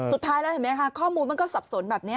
สุดท้ายแล้วเห็นไหมคะข้อมูลมันก็สับสนแบบนี้